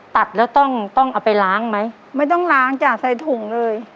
ตัดแล้วต้องต้องเอาไปล้างไหมไม่ต้องล้างจ้ะใส่ถุงเลย